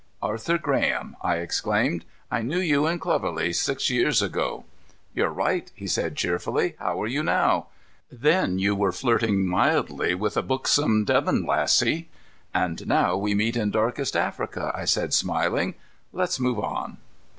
"Arthur Graham!" I exclaimed. "I knew you in Clovelly six years ago." "You're right," he said cheerfully. "How are you now? Then you were flirting mildly with a buxom Devon lassie." "And now we meet in darkest Africa," I said, smiling. "Let's move on."